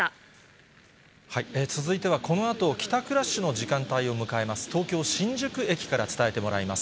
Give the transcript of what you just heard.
続いては、このあと、帰宅ラッシュの時間帯を迎えます、東京・新宿駅から伝えてもらいます。